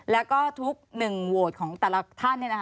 แล้วก็ทุก๑โหวตของแต่ละท่าน